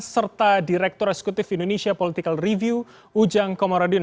serta direktur eksekutif indonesia political review ujang komarudin